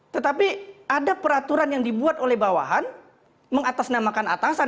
tetapi ada peraturan yang dibuat oleh bawahan mengatasnamakan atasan